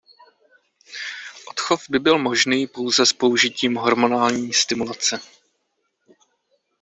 Odchov by byl možný pouze s použitím hormonální stimulace.